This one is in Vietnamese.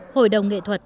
hội đồng nghệ thuật